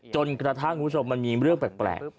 จนกระทั่งคุณผู้ชมมันมีเรื่องแปลก